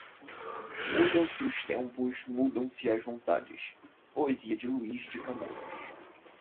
Mudam-se os tempos, mudam-se as vontades. Poesia de Luís de Camões